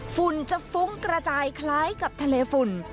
ฝุ่นจะฟุ้งกระจายคล้ายกับทะเลฝุ่น